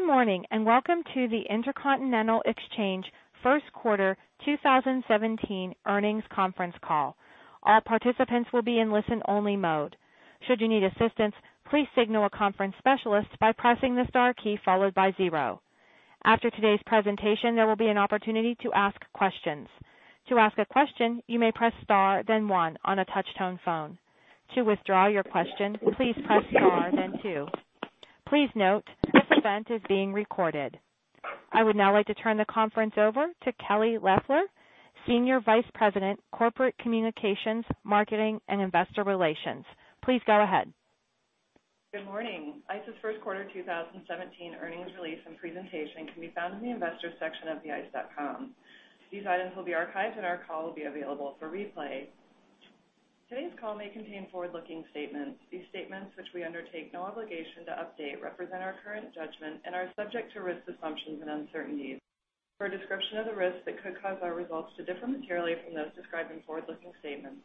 Good morning, welcome to the Intercontinental Exchange first quarter 2017 earnings conference call. All participants will be in listen-only mode. Should you need assistance, please signal a conference specialist by pressing the star key followed by zero. After today's presentation, there will be an opportunity to ask questions. To ask a question, you may press star then one on a touch-tone phone. To withdraw your question, please press star then two. Please note, this event is being recorded. I would now like to turn the conference over to Kelly Loeffler, Senior Vice President, Corporate Communications, Marketing, and Investor Relations. Please go ahead. Good morning. ICE's first quarter 2017 earnings release and presentation can be found in the Investors section of theice.com. These items will be archived and our call will be available for replay. Today's call may contain forward-looking statements. These statements, which we undertake no obligation to update, represent our current judgment and are subject to risks, assumptions, and uncertainties. For a description of the risks that could cause our results to differ materially from those described in forward-looking statements,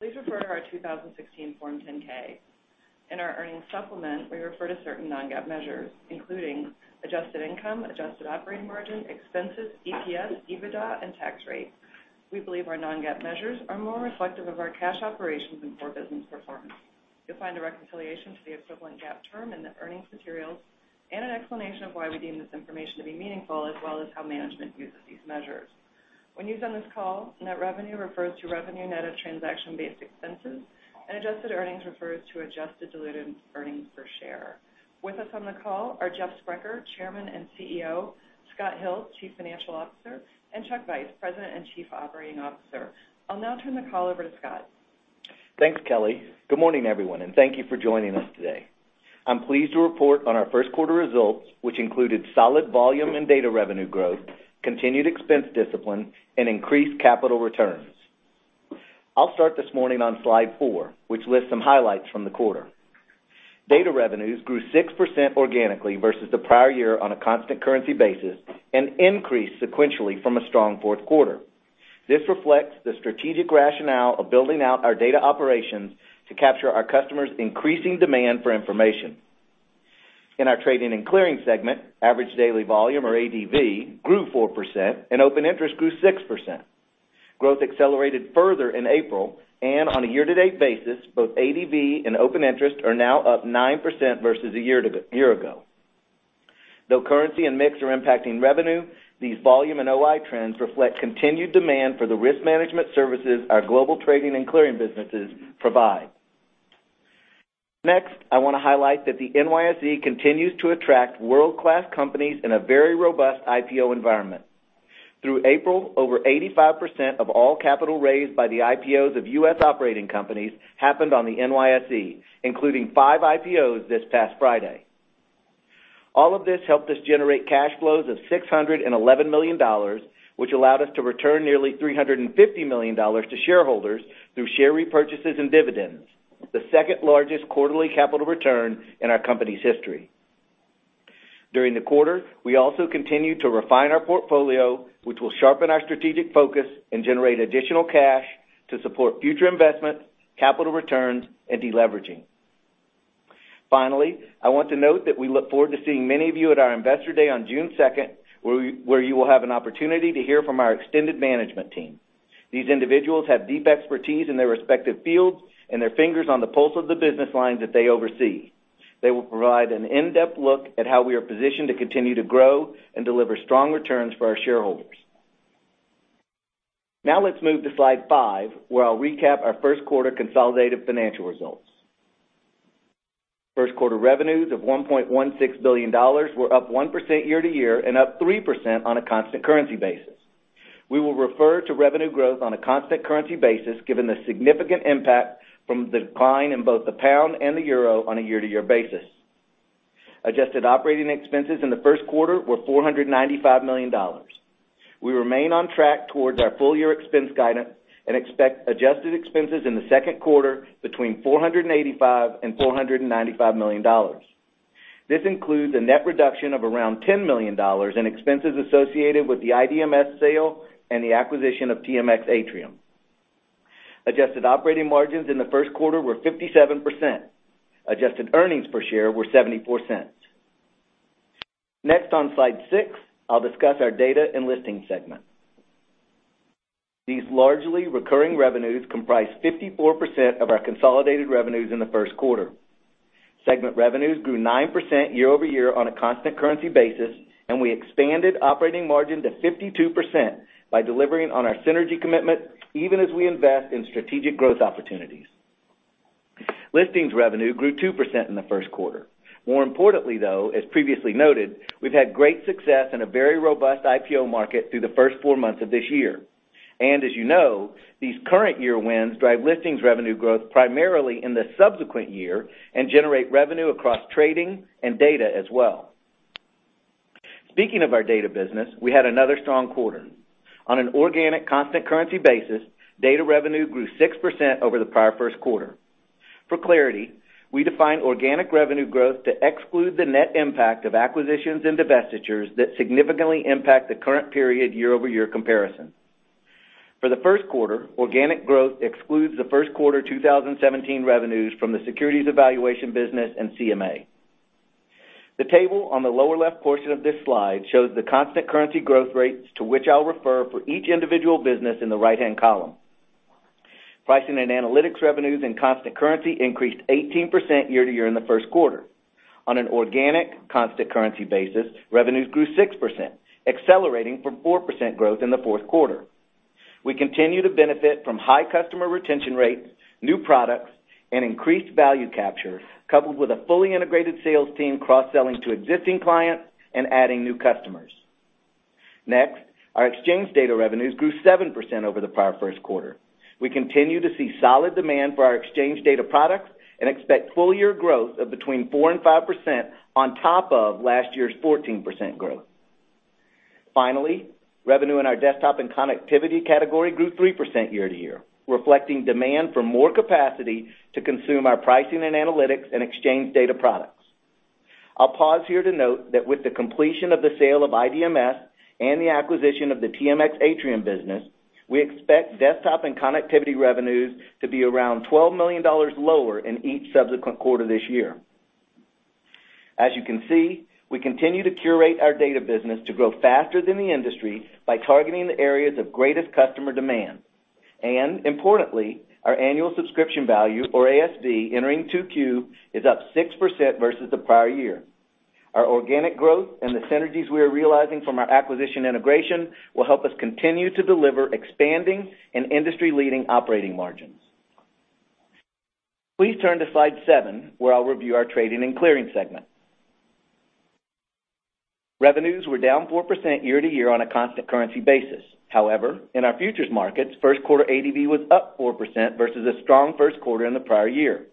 please refer to our 2016 Form 10-K. In our earnings supplement, we refer to certain non-GAAP measures, including adjusted income, adjusted operating margin, expenses, EPS, EBITDA, and tax rate. We believe our non-GAAP measures are more reflective of our cash operations and core business performance. You'll find a reconciliation to the equivalent GAAP term in the earnings materials and an explanation of why we deem this information to be meaningful, as well as how management uses these measures. When used on this call, net revenue refers to revenue net of transaction-based expenses, and adjusted earnings refers to adjusted diluted earnings per share. With us on the call are Jeff Sprecher, Chairman and CEO, Scott Hill, Chief Financial Officer, and Chuck Vice, President and Chief Operating Officer. I'll now turn the call over to Scott. Thanks, Kelly. Good morning, everyone, thank you for joining us today. I'm pleased to report on our first quarter results, which included solid volume and data revenue growth, continued expense discipline, and increased capital returns. I'll start this morning on slide four, which lists some highlights from the quarter. Data revenues grew 6% organically versus the prior year on a constant currency basis and increased sequentially from a strong fourth quarter. In our trading and clearing segment, average daily volume, or ADV, grew 4%, and open interest grew 6%. Growth accelerated further in April, and on a year-to-date basis, both ADV and open interest are now up 9% versus a year ago. Though currency and mix are impacting revenue, these volume and OI trends reflect continued demand for the risk management services our global trading and clearing businesses provide. I want to highlight that the NYSE continues to attract world-class companies in a very robust IPO environment. Through April, over 85% of all capital raised by the IPOs of U.S. operating companies happened on the NYSE, including five IPOs this past Friday. All of this helped us generate cash flows of $611 million, which allowed us to return nearly $350 million to shareholders through share repurchases and dividends, the second-largest quarterly capital return in our company's history. During the quarter, we also continued to refine our portfolio, which will sharpen our strategic focus and generate additional cash to support future investments, capital returns, and deleveraging. Finally, I want to note that we look forward to seeing many of you at our Investor Day on June 2nd, where you will have an opportunity to hear from our extended management team. These individuals have deep expertise in their respective fields and their fingers on the pulse of the business lines that they oversee. They will provide an in-depth look at how we are positioned to continue to grow and deliver strong returns for our shareholders. Let's move to slide five, where I will recap our first quarter consolidated financial results. First quarter revenues of $1.16 billion were up 1% year-over-year and up 3% on a constant currency basis. We will refer to revenue growth on a constant currency basis, given the significant impact from the decline in both the pound and the euro on a year-over-year basis. Adjusted operating expenses in the first quarter were $495 million. We remain on track towards our full-year expense guidance and expect adjusted expenses in the second quarter between $485 million and $495 million. This includes a net reduction of around $10 million in expenses associated with the IDMS sale and the acquisition of TMX Atrium. Adjusted operating margins in the first quarter were 57%. Adjusted earnings per share were $0.74. On slide six, I will discuss our data and listings segment. These largely recurring revenues comprise 54% of our consolidated revenues in the first quarter. Segment revenues grew 9% year-over-year on a constant currency basis, and we expanded operating margin to 52% by delivering on our synergy commitment, even as we invest in strategic growth opportunities. Listings revenue grew 2% in the first quarter. More importantly, though, as previously noted, we have had great success in a very robust IPO market through the first four months of this year. As you know, these current year wins drive listings revenue growth primarily in the subsequent year and generate revenue across trading and data as well. Speaking of our data business, we had another strong quarter. On an organic constant currency basis, data revenue grew 6% over the prior first quarter. For clarity, we define organic revenue growth to exclude the net impact of acquisitions and divestitures that significantly impact the current period year-over-year comparison. For the first quarter, organic growth excludes the first quarter 2017 revenues from the securities evaluation business and CMA. The table on the lower-left portion of this slide shows the constant currency growth rates to which I will refer for each individual business in the right-hand column. Pricing and analytics revenues and constant currency increased 18% year-to-year in the first quarter. On an organic constant currency basis, revenues grew 6%, accelerating from 4% growth in the fourth quarter. We continue to benefit from high customer retention rates, new products, and increased value capture, coupled with a fully integrated sales team cross-selling to existing clients and adding new customers. Our exchange data revenues grew 7% over the prior first quarter. We continue to see solid demand for our exchange data products and expect full-year growth of between 4% and 5% on top of last year's 14% growth. Revenue in our desktop and connectivity category grew 3% year-to-year, reflecting demand for more capacity to consume our pricing and analytics and exchange data products. I'll pause here to note that with the completion of the sale of IDMS and the acquisition of the TMX Atrium business, we expect desktop and connectivity revenues to be around $12 million lower in each subsequent quarter this year. As you can see, we continue to curate our data business to grow faster than the industry by targeting the areas of greatest customer demand. Importantly, our annual subscription value, or ASV, entering 2Q is up 6% versus the prior year. Our organic growth and the synergies we're realizing from our acquisition integration will help us continue to deliver expanding and industry-leading operating margins. Please turn to slide seven, where I'll review our trading and clearing segment. Revenues were down 4% year-to-year on a constant currency basis. In our futures markets, first quarter ADV was up 4% versus a strong first quarter in the prior year.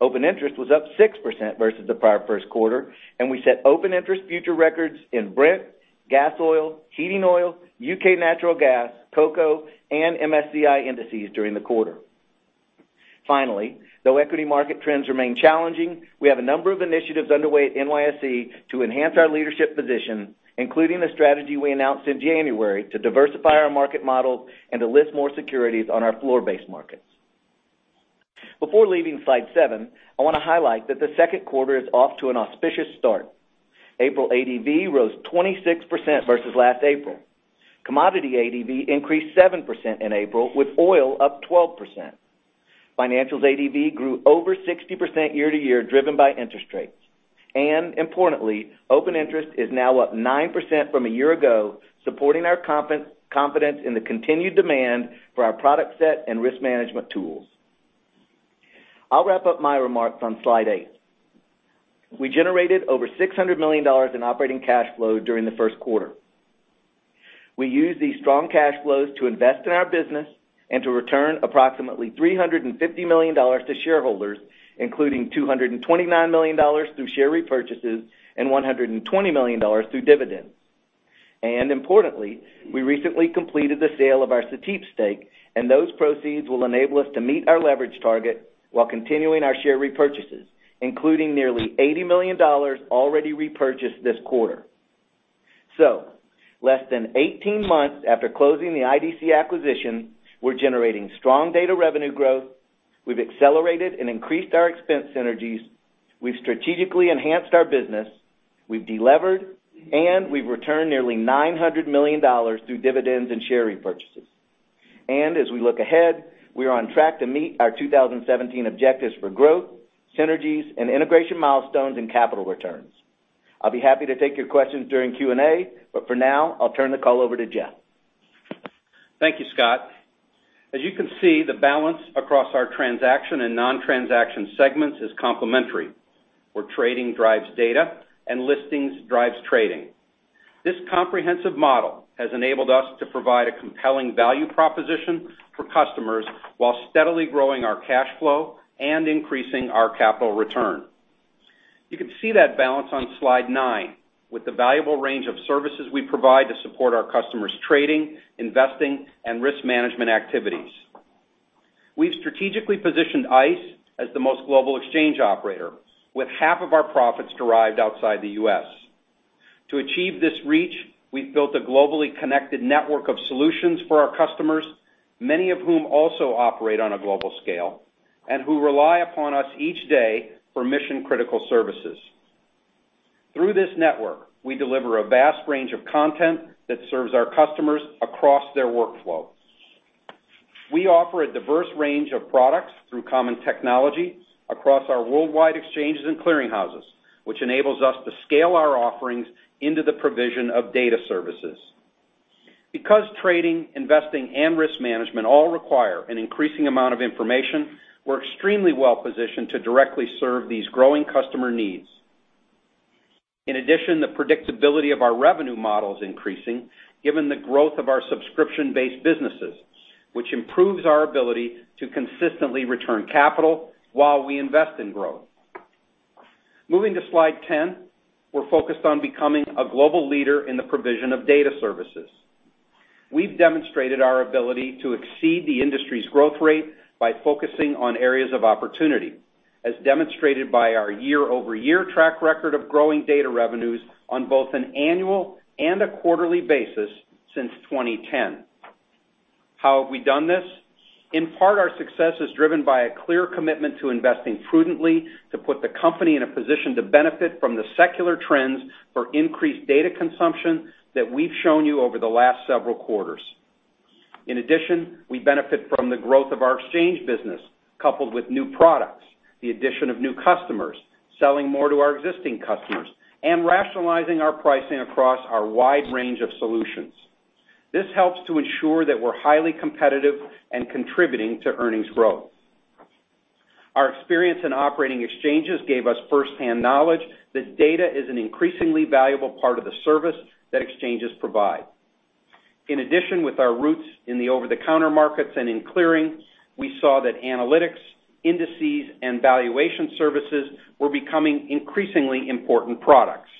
Open interest was up 6% versus the prior first quarter, and we set open interest future records in Brent, gas oil, heating oil, UK natural gas, cocoa, and MSCI indices during the quarter. Though equity market trends remain challenging, we have a number of initiatives underway at NYSE to enhance our leadership position, including the strategy we announced in January to diversify our market model and to list more securities on our floor-based markets. Before leaving slide seven, I want to highlight that the second quarter is off to an auspicious start. April ADV rose 26% versus last April. Commodity ADV increased 7% in April, with oil up 12%. Financials ADV grew over 60% year-to-year, driven by interest rates. Importantly, open interest is now up 9% from a year ago, supporting our confidence in the continued demand for our product set and risk management tools. I'll wrap up my remarks on slide eight. We generated over $600 million in operating cash flow during the first quarter. We used these strong cash flows to invest in our business and to return approximately $350 million to shareholders, including $229 million through share repurchases and $120 million through dividends. Importantly, we recently completed the sale of our Cetip stake, and those proceeds will enable us to meet our leverage target while continuing our share repurchases, including nearly $80 million already repurchased this quarter. Less than 18 months after closing the IDC acquisition, we're generating strong data revenue growth, we've accelerated and increased our expense synergies, we've strategically enhanced our business, we've delevered, and we've returned nearly $900 million through dividends and share repurchases. As we look ahead, we are on track to meet our 2017 objectives for growth, synergies, and integration milestones and capital returns. I'll be happy to take your questions during Q&A, but for now, I'll turn the call over to Jeff. Thank you, Scott. As you can see, the balance across our transaction and non-transaction segments is complementary, where trading drives data and listings drives trading. This comprehensive model has enabled us to provide a compelling value proposition for customers while steadily growing our cash flow and increasing our capital return. You can see that balance on slide nine with the valuable range of services we provide to support our customers' trading, investing, and risk management activities. We've strategically positioned ICE as the most global exchange operator, with half of our profits derived outside the U.S. To achieve this reach, we've built a globally connected network of solutions for our customers, many of whom also operate on a global scale and who rely upon us each day for mission-critical services. Through this network, we deliver a vast range of content that serves our customers across their workflow. We offer a diverse range of products through common technology across our worldwide exchanges and clearing houses, which enables us to scale our offerings into the provision of data services. Because trading, investing, and risk management all require an increasing amount of information, we're extremely well-positioned to directly serve these growing customer needs. In addition, the predictability of our revenue model is increasing given the growth of our subscription-based businesses, which improves our ability to consistently return capital while we invest in growth. Moving to slide 10, we're focused on becoming a global leader in the provision of data services. We've demonstrated our ability to exceed the industry's growth rate by focusing on areas of opportunity. As demonstrated by our year-over-year track record of growing data revenues on both an annual and a quarterly basis since 2010. How have we done this? In part, our success is driven by a clear commitment to investing prudently to put the company in a position to benefit from the secular trends for increased data consumption that we've shown you over the last several quarters. In addition, we benefit from the growth of our exchange business, coupled with new products, the addition of new customers, selling more to our existing customers, and rationalizing our pricing across our wide range of solutions. This helps to ensure that we're highly competitive and contributing to earnings growth. Our experience in operating exchanges gave us firsthand knowledge that data is an increasingly valuable part of the service that exchanges provide. In addition, with our roots in the over-the-counter markets and in clearing, we saw that analytics, indices, and valuation services were becoming increasingly important products.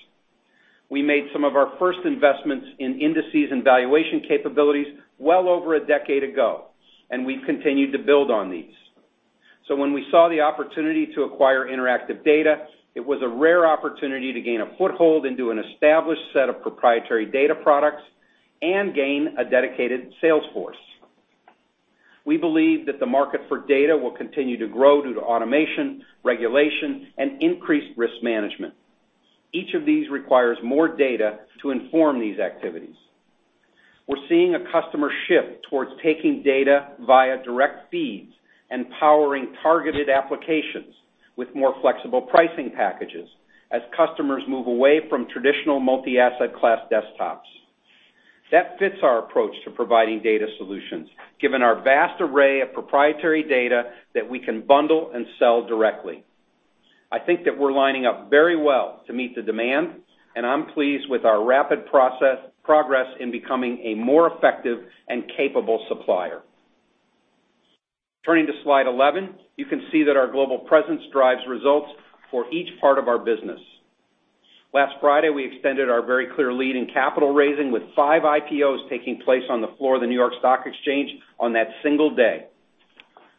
We made some of our first investments in indices and valuation capabilities well over a decade ago, and we've continued to build on these. When we saw the opportunity to acquire Interactive Data, it was a rare opportunity to gain a foothold into an established set of proprietary data products and gain a dedicated sales force. We believe that the market for data will continue to grow due to automation, regulation, and increased risk management. Each of these requires more data to inform these activities. We're seeing a customer shift towards taking data via direct feeds and powering targeted applications with more flexible pricing packages as customers move away from traditional multi-asset class desktops. That fits our approach to providing data solutions, given our vast array of proprietary data that we can bundle and sell directly. I think that we're lining up very well to meet the demand, and I'm pleased with our rapid progress in becoming a more effective and capable supplier. Turning to slide 11, you can see that our global presence drives results for each part of our business. Last Friday, we extended our very clear lead in capital raising with five IPOs taking place on the floor of the New York Stock Exchange on that single day.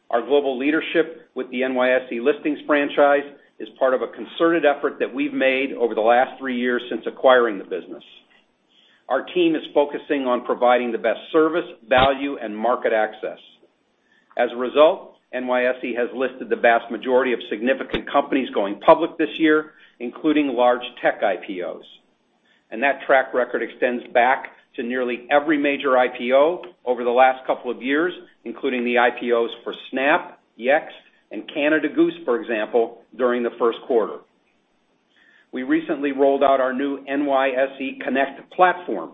Our global leadership with the NYSE listings franchise is part of a concerted effort that we've made over the last three years since acquiring the business. Our team is focusing on providing the best service, value, and market access. As a result, NYSE has listed the vast majority of significant companies going public this year, including large tech IPOs. That track record extends back to nearly every major IPO over the last couple of years, including the IPOs for Snap, Yext, and Canada Goose, for example, during the first quarter. We recently rolled out our new NYSE Connect platform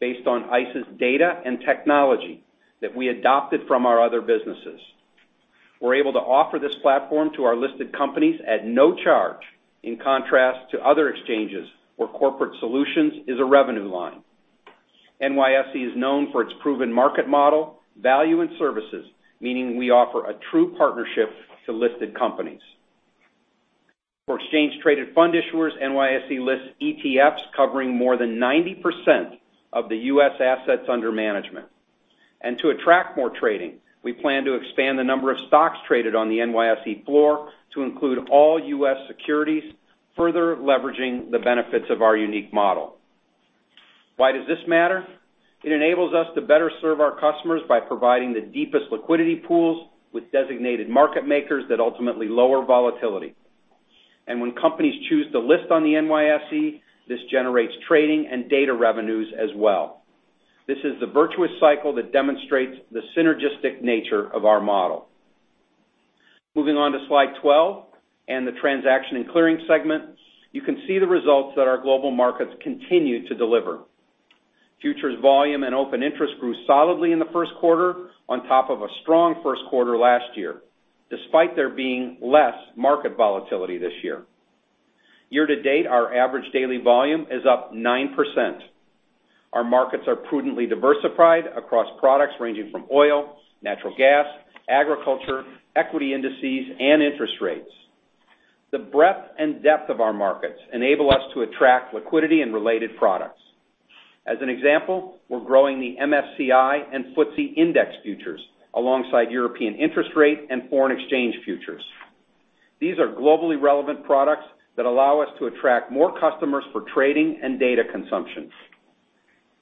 based on ICE's data and technology that we adopted from our other businesses. We're able to offer this platform to our listed companies at no charge, in contrast to other exchanges where corporate solutions is a revenue line. NYSE is known for its proven market model, value, and services, meaning we offer a true partnership to listed companies. For exchange-traded fund issuers, NYSE lists ETFs covering more than 90% of the U.S. assets under management. To attract more trading, we plan to expand the number of stocks traded on the NYSE floor to include all U.S. securities, further leveraging the benefits of our unique model. Why does this matter? It enables us to better serve our customers by providing the deepest liquidity pools with designated market makers that ultimately lower volatility. When companies choose to list on the NYSE, this generates trading and data revenues as well. This is the virtuous cycle that demonstrates the synergistic nature of our model. Moving on to slide 12 and the transaction and clearing segment, you can see the results that our global markets continue to deliver. Futures volume and open interest grew solidly in the first quarter on top of a strong first quarter last year, despite there being less market volatility this year. Year to date, our average daily volume is up 9%. Our markets are prudently diversified across products ranging from oil, natural gas, agriculture, equity indices, and interest rates. The breadth and depth of our markets enable us to attract liquidity and related products. As an example, we are growing the MSCI and FTSE index futures alongside European interest rate and foreign exchange futures. These are globally relevant products that allow us to attract more customers for trading and data consumption.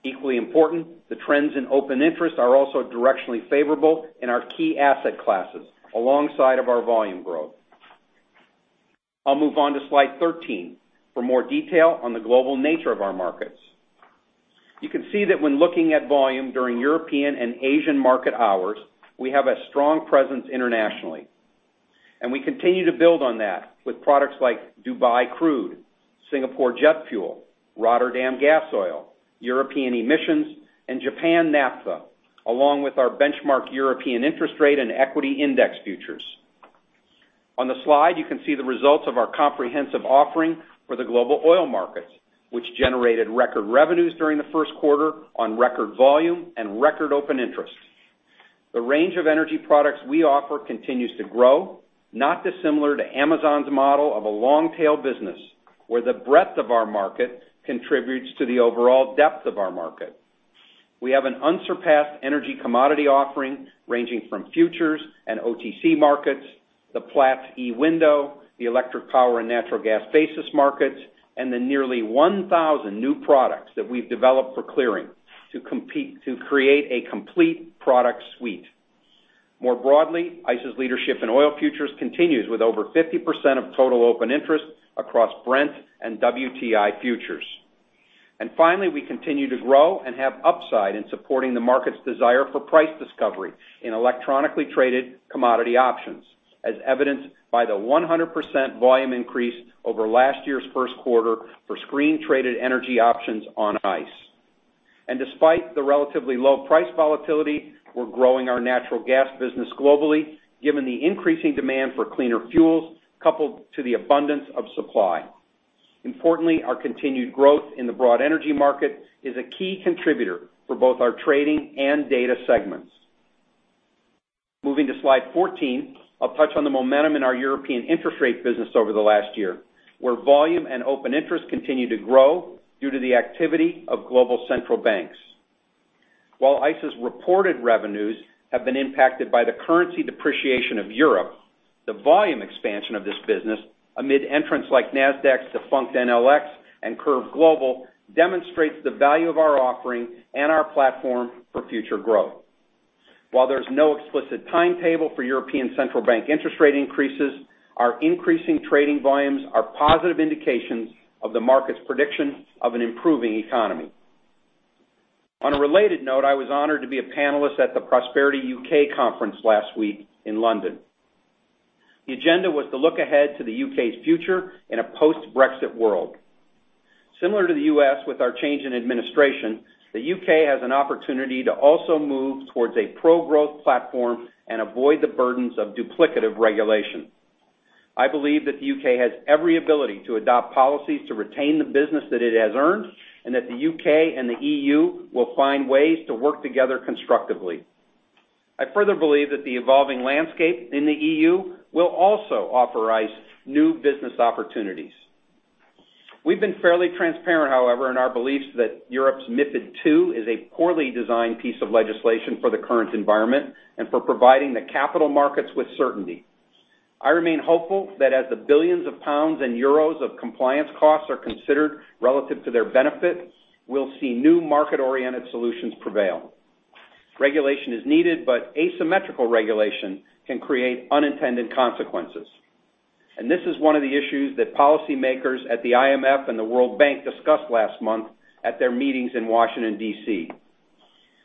Equally important, the trends in open interest are also directionally favorable in our key asset classes alongside of our volume growth. I will move on to slide 13 for more detail on the global nature of our markets. You can see that when looking at volume during European and Asian market hours, we have a strong presence internationally, and we continue to build on that with products like Dubai crude, Singapore jet fuel, Rotterdam gas oil, European emissions, and Japan naphtha, along with our benchmark European interest rate and equity index futures. On the slide, you can see the results of our comprehensive offering for the global oil markets, which generated record revenues during the first quarter on record volume and record open interest. The range of energy products we offer continues to grow, not dissimilar to Amazon's model of a long-tail business, where the breadth of our market contributes to the overall depth of our market. We have an unsurpassed energy commodity offering ranging from futures and OTC markets, the Platts eWindow, the electric power and natural gas basis markets, and the nearly 1,000 new products that we have developed for clearing to create a complete product suite. More broadly, ICE's leadership in oil futures continues with over 50% of total open interest across Brent and WTI futures. Finally, we continue to grow and have upside in supporting the market's desire for price discovery in electronically traded commodity options, as evidenced by the 100% volume increase over last year's first quarter for screen-traded energy options on ICE. Despite the relatively low price volatility, we are growing our natural gas business globally, given the increasing demand for cleaner fuels coupled to the abundance of supply. Importantly, our continued growth in the broad energy market is a key contributor for both our trading and data segments. Moving to slide 14, I will touch on the momentum in our European interest rate business over the last year, where volume and open interest continue to grow due to the activity of global central banks. While ICE's reported revenues have been impacted by the currency depreciation of Europe, the volume expansion of this business, amid entrants like Nasdaq's defunct NLX and CurveGlobal, demonstrates the value of our offering and our platform for future growth. While there is no explicit timetable for European Central Bank interest rate increases, our increasing trading volumes are positive indications of the market's prediction of an improving economy. On a related note, I was honored to be a panelist at the Prosperity U.K. Conference last week in London. The agenda was to look ahead to the U.K.'s future in a post-Brexit world. Similar to the U.S. with our change in administration, the U.K. has an opportunity to also move towards a pro-growth platform and avoid the burdens of duplicative regulation. I believe that the U.K. has every ability to adopt policies to retain the business that it has earned, that the U.K. and the EU will find ways to work together constructively. I further believe that the evolving landscape in the EU will also offer ICE new business opportunities. We've been fairly transparent, however, in our beliefs that Europe's MiFID II is a poorly designed piece of legislation for the current environment and for providing the capital markets with certainty. I remain hopeful that as the billions of pounds and euros of compliance costs are considered relative to their benefit, we'll see new market-oriented solutions prevail. Regulation is needed, but asymmetrical regulation can create unintended consequences. This is one of the issues that policymakers at the IMF and the World Bank discussed last month at their meetings in Washington, D.C.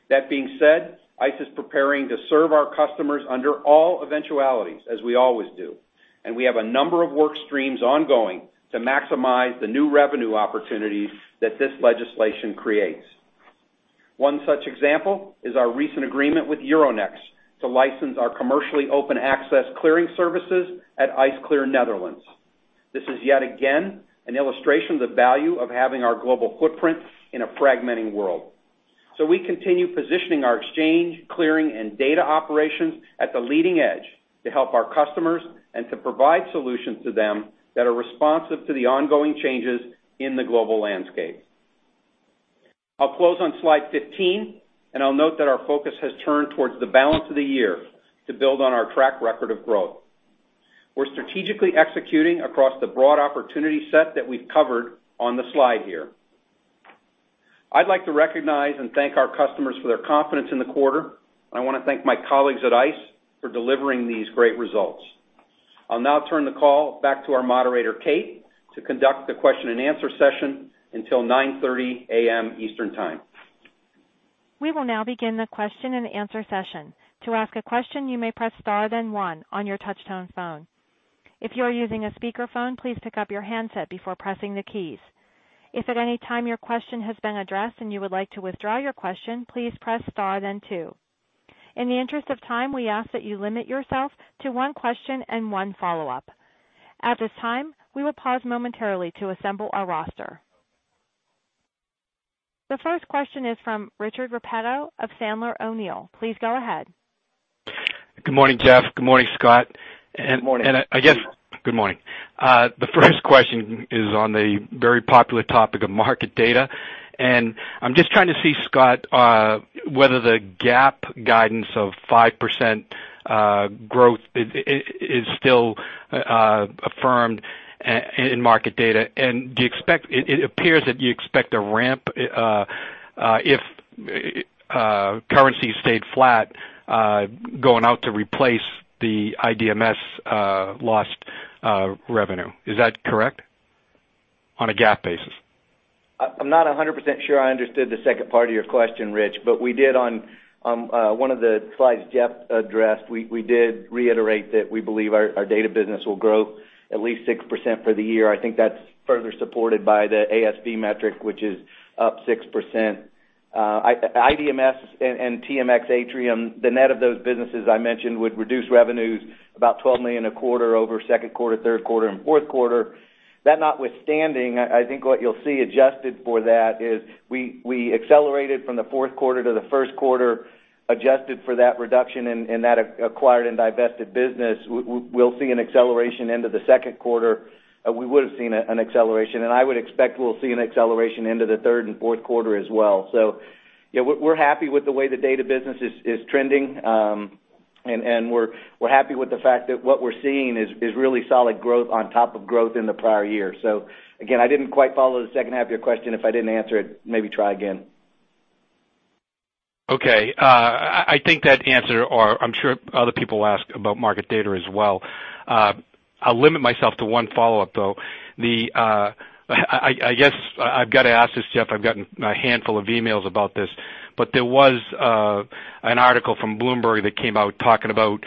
That being said, ICE is preparing to serve our customers under all eventualities, as we always do. We have a number of work streams ongoing to maximize the new revenue opportunities that this legislation creates. One such example is our recent agreement with Euronext to license our commercially open access clearing services at ICE Clear Netherlands. This is yet again an illustration of the value of having our global footprint in a fragmenting world. We continue positioning our exchange, clearing, and data operations at the leading edge to help our customers and to provide solutions to them that are responsive to the ongoing changes in the global landscape. I'll close on slide 15, and I'll note that our focus has turned towards the balance of the year to build on our track record of growth. We're strategically executing across the broad opportunity set that we've covered on the slide here. I'd like to recognize and thank our customers for their confidence in the quarter, and I want to thank my colleagues at ICE for delivering these great results. I'll now turn the call back to our moderator, Kate, to conduct the question and answer session until 9:30 A.M. Eastern Time. We will now begin the question and answer session. To ask a question, you may press star, then one on your touch-tone phone. If you are using a speakerphone, please pick up your handset before pressing the keys. If at any time your question has been addressed and you would like to withdraw your question, please press star, then two. In the interest of time, we ask that you limit yourself to one question and one follow-up. At this time, we will pause momentarily to assemble our roster. The first question is from Richard Repetto of Sandler O'Neill. Please go ahead. Good morning, Jeff. Good morning, Scott. Good morning. Good morning. The first question is on the very popular topic of market data. I'm just trying to see, Scott, whether the GAAP guidance of 5% growth is still affirmed in market data. It appears that you expect a ramp, if currencies stayed flat, going out to replace the IDMS lost revenue. Is that correct? On a GAAP basis. I'm not 100% sure I understood the second part of your question, Rich. On one of the slides Jeff addressed, we did reiterate that we believe our data business will grow at least 6% for the year. I think that's further supported by the ASV metric, which is up 6%. IDMS and TMX Atrium, the net of those businesses I mentioned would reduce revenues about $12 million a quarter over second quarter, third quarter, and fourth quarter. That notwithstanding, I think what you'll see adjusted for that is we accelerated from the fourth quarter to the first quarter. Adjusted for that reduction in that acquired and divested business, we'll see an acceleration into the second quarter. We would've seen an acceleration, and I would expect we'll see an acceleration into the third and fourth quarter as well. We're happy with the way the data business is trending, and we're happy with the fact that what we're seeing is really solid growth on top of growth in the prior year. Again, I didn't quite follow the second half of your question. If I didn't answer it, maybe try again. Okay. I think that answered, or I'm sure other people ask about market data as well. I'll limit myself to one follow-up, though. I guess I've got to ask this, Jeff, I've gotten a handful of emails about this. There was an article from Bloomberg that came out talking about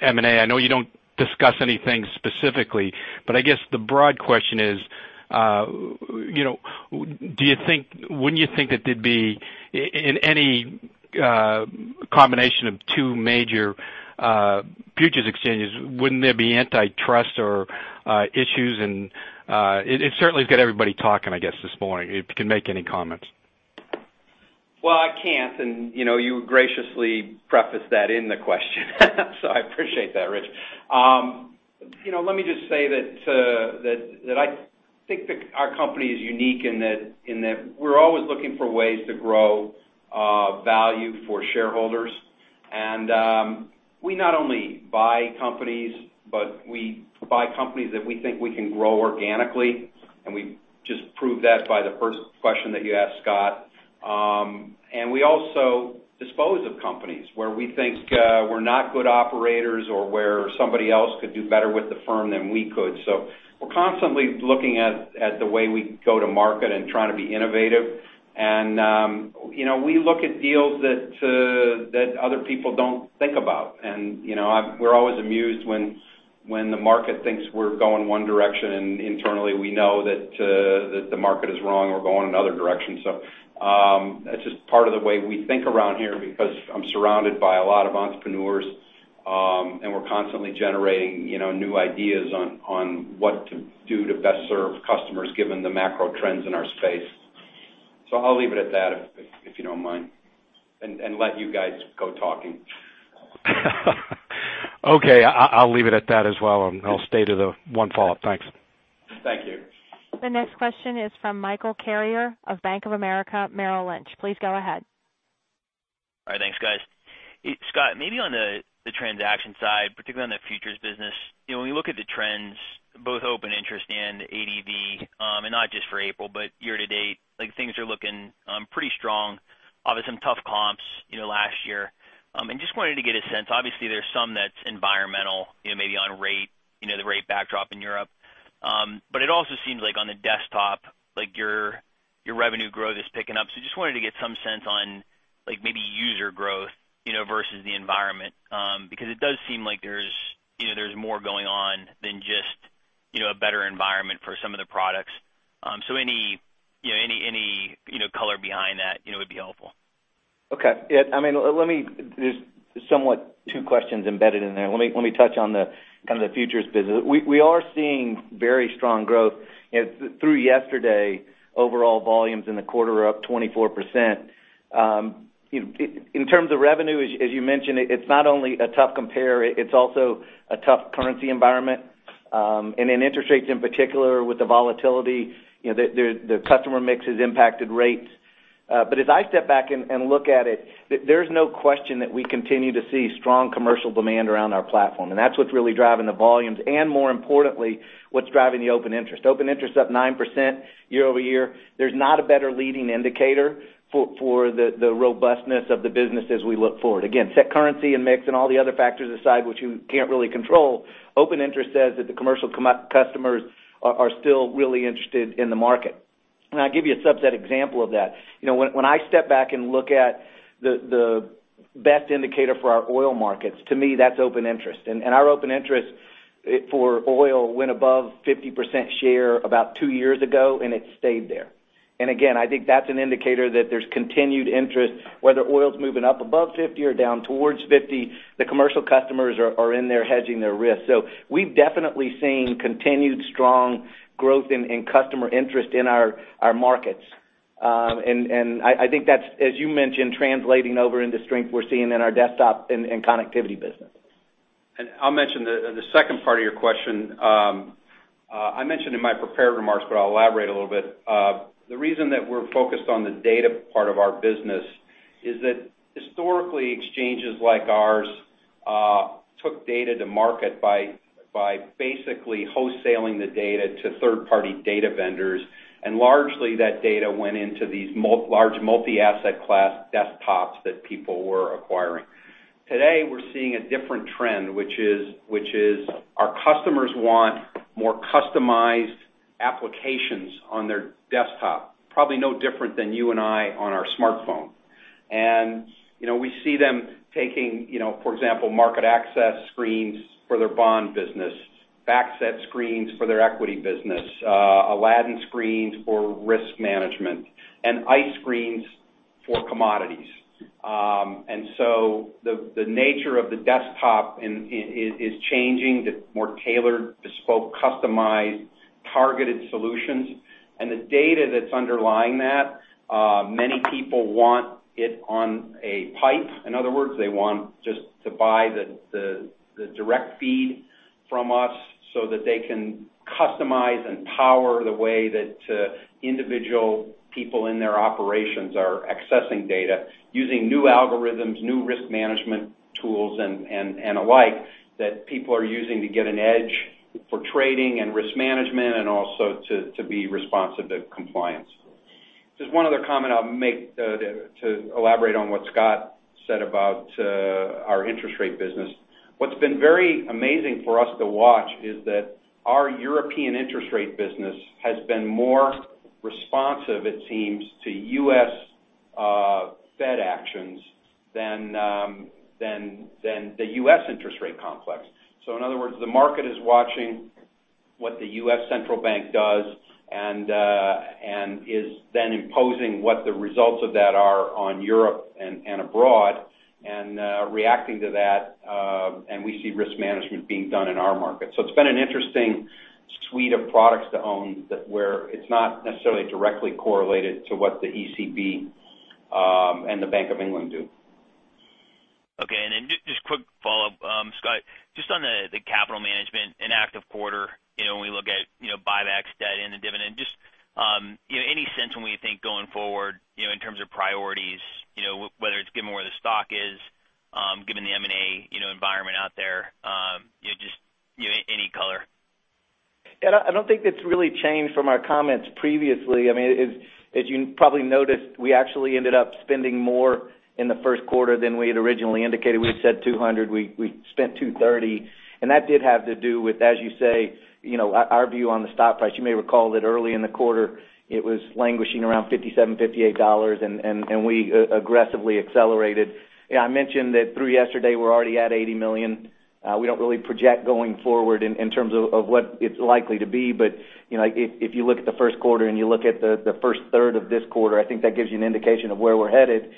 M&A. I know you don't discuss anything specifically, but I guess the broad question is, wouldn't you think that there'd be, in any combination of two major futures exchanges, wouldn't there be antitrust or issues? It certainly has got everybody talking, I guess, this morning, if you can make any comments. Well, I can't, and you graciously prefaced that in the question. I appreciate that, Rich. Let me just say that I think that our company is unique in that we're always looking for ways to grow value for shareholders. We not only buy companies, but we buy companies that we think we can grow organically, and we just proved that by the first question that you asked Scott. We also dispose of companies where we think we're not good operators or where somebody else could do better with the firm than we could. We're constantly looking at the way we go to market and trying to be innovative. We look at deals that other people don't think about, and we're always amused when the market thinks we're going one direction, and internally, we know that the market is wrong, we're going another direction. That's just part of the way we think around here because I'm surrounded by a lot of entrepreneurs, and we're constantly generating new ideas on what to do to best serve customers, given the macro trends in our space. I'll leave it at that, if you don't mind, and let you guys go talking. Okay, I'll leave it at that as well, and I'll stay to the one follow-up. Thanks. Thank you. The next question is from Michael Carrier of Bank of America Merrill Lynch. Please go ahead. All right. Thanks, guys. Scott, maybe on the transaction side, particularly on the futures business, when we look at the trends, both open interest and ADV, and not just for April, but year-to-date, things are looking pretty strong. Obviously, some tough comps last year. Just wanted to get a sense. Obviously, there's some that's environmental, maybe on the rate backdrop in Europe. It also seems like on the desktop, your revenue growth is picking up. Just wanted to get some sense on maybe user growth versus the environment. It does seem like there's more going on than just a better environment for some of the products. Any color behind that would be helpful. Okay. There's somewhat two questions embedded in there. Let me touch on the futures business. We are seeing very strong growth. Through yesterday, overall volumes in the quarter are up 24%. In terms of revenue, as you mentioned, it's not only a tough compare, it's also a tough currency environment. In interest rates in particular, with the volatility, the customer mix has impacted rates. As I step back and look at it, there's no question that we continue to see strong commercial demand around our platform, and that's what's really driving the volumes and, more importantly, what's driving the open interest. Open interest up 9% year-over-year. There's not a better leading indicator for the robustness of the business as we look forward. Again, set currency and mix and all the other factors aside, which you can't really control, open interest says that the commercial customers are still really interested in the market. I'll give you a subset example of that. When I step back and look at the best indicator for our oil markets, to me, that's open interest. Our open interest for oil went above 50% share about two years ago, and it's stayed there. Again, I think that's an indicator that there's continued interest, whether oil's moving up above 50 or down towards 50, the commercial customers are in there hedging their risk. We've definitely seen continued strong growth in customer interest in our markets. I think that's, as you mentioned, translating over into strength we're seeing in our desktop and connectivity business. I'll mention the second part of your question. I mentioned in my prepared remarks, but I'll elaborate a little bit. The reason that we're focused on the data part of our business is that historically, exchanges like ours took data to market by basically wholesaling the data to third-party data vendors, and largely, that data went into these large multi-asset class desktops that people were acquiring. Today, we're seeing a different trend, which is our customers want more customized applications on their desktop. Probably no different than you and I on our smartphone. We see them taking, for example, market access screens for their bond business, FactSet screens for their equity business, Aladdin screens for risk management, and ICE screens for commodities. The nature of the desktop is changing to more tailored, bespoke, customized Targeted solutions and the data that's underlying that, many people want it on a pipe. In other words, they want just to buy the direct feed from us so that they can customize and power the way that individual people in their operations are accessing data, using new algorithms, new risk management tools, and alike that people are using to get an edge for trading and risk management, and also to be responsive to compliance. Just one other comment I'll make to elaborate on what Scott said about our interest rate business. What's been very amazing for us to watch is that our European interest rate business has been more responsive, it seems, to U.S. Fed actions than the U.S. interest rate complex. In other words, the market is watching what the U.S. Central Bank does and is then imposing what the results of that are on Europe and abroad, and reacting to that, and we see risk management being done in our market. It's been an interesting suite of products to own where it's not necessarily directly correlated to what the ECB and the Bank of England do. Okay, just quick follow-up. Scott, just on the capital management, an active quarter, when we look at buybacks, debt, and the dividend, just any sense when we think going forward, in terms of priorities, whether it's given where the stock is, given the M&A environment out there, just any color. Yeah, I don't think that's really changed from our comments previously. As you probably noticed, we actually ended up spending more in the first quarter than we had originally indicated. We said $200, we spent $230. That did have to do with, as you say, our view on the stock price. You may recall that early in the quarter, it was languishing around $57, $58, and we aggressively accelerated. Yeah, I mentioned that through yesterday, we're already at $80 million. We don't really project going forward in terms of what it's likely to be. If you look at the first quarter and you look at the first third of this quarter, I think that gives you an indication of where we're headed.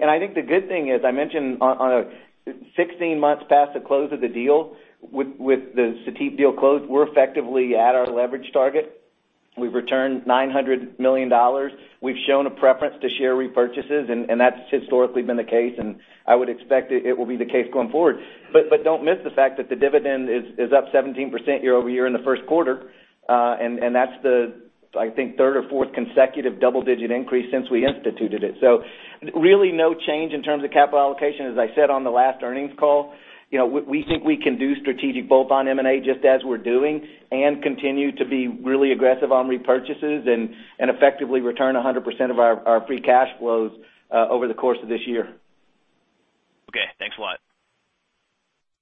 I think the good thing is I mentioned on a 16 months past the close of the deal with the Cetip deal closed, we're effectively at our leverage target. We've returned $900 million. We've shown a preference to share repurchases, and that's historically been the case, and I would expect it will be the case going forward. Don't miss the fact that the dividend is up 17% year-over-year in the first quarter. That's the, I think, third or fourth consecutive double-digit increase since we instituted it. Really no change in terms of capital allocation. As I said on the last earnings call, we think we can do strategic both on M&A just as we're doing and continue to be really aggressive on repurchases and effectively return 100% of our free cash flows over the course of this year. Okay, thanks a lot.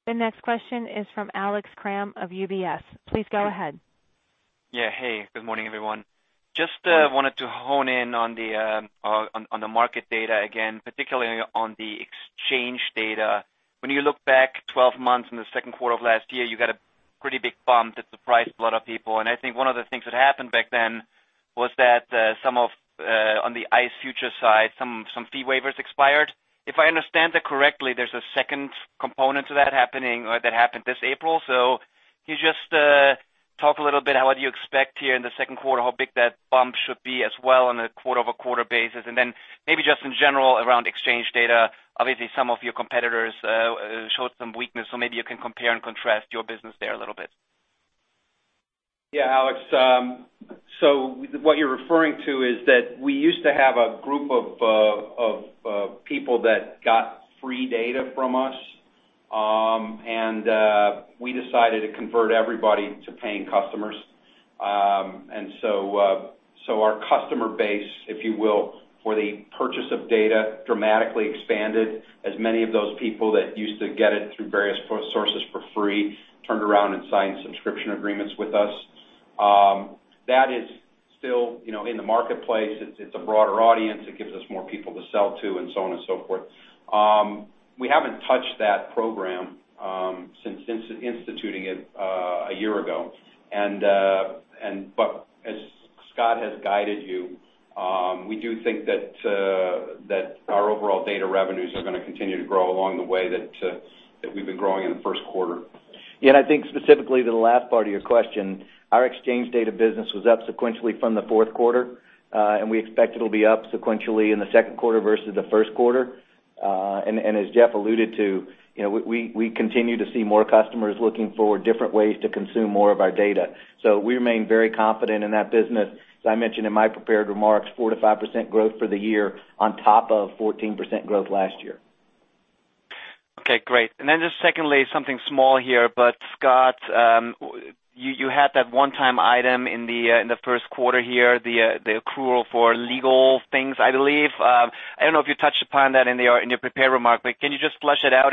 The next question is from Alex Kramm of UBS. Please go ahead. Yeah. Hey, good morning, everyone. Just wanted to hone in on the market data again, particularly on the exchange data. When you look back 12 months in the second quarter of last year, you got a pretty big bump that surprised a lot of people, and I think one of the things that happened back then was that some of, on the ICE futures side, some fee waivers expired. If I understand that correctly, there's a second component to that happening or that happened this April. Can you just talk a little bit how what you expect here in the second quarter, how big that bump should be as well on a quarter-over-quarter basis, and then maybe just in general around exchange data. Obviously, some of your competitors showed some weakness, so maybe you can compare and contrast your business there a little bit. Yeah, Alex. What you're referring to is that we used to have a group of people that got free data from us, and we decided to convert everybody to paying customers. Our customer base, if you will, for the purchase of data dramatically expanded as many of those people that used to get it through various sources for free turned around and signed subscription agreements with us. That is still in the marketplace. It's a broader audience. It gives us more people to sell to and so on and so forth. We haven't touched that program since instituting it a year ago. As Scott has guided you, we do think that our overall data revenues are going to continue to grow along the way that we've been growing in the first quarter. Yeah, I think specifically to the last part of your question, our exchange data business was up sequentially from the fourth quarter. We expect it'll be up sequentially in the second quarter versus the first quarter. As Jeff alluded to, we continue to see more customers looking for different ways to consume more of our data. We remain very confident in that business. As I mentioned in my prepared remarks, 4%-5% growth for the year on top of 14% growth last year. Okay, great. Then just secondly, something small here, Scott, you had that one-time item in the first quarter here, the accrual for legal things, I believe. I don't know if you touched upon that in your prepared remark, but can you just flesh it out?